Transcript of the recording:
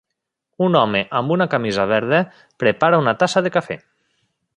Un home amb una camisa verda prepara una tassa de cafè.